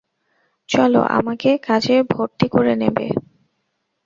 চলো আমাকে কাজে ভরতি করে নেবে।